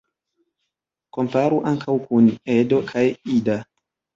Komparu ankaŭ kun "Edo" kaj "Ida".